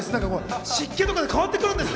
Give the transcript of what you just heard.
湿気とかで変わってくるんですね。